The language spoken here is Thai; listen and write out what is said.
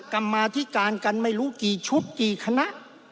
กรรมาธิการกันไม่รู้กี่ชุดกี่คณะ